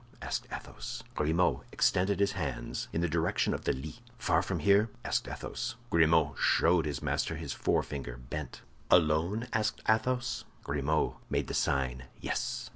asked Athos. Grimaud extended his hands in the direction of the Lys. "Far from here?" asked Athos. Grimaud showed his master his forefinger bent. "Alone?" asked Athos. Grimaud made the sign yes.